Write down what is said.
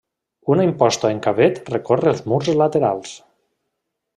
Una imposta en cavet recorre els murs laterals.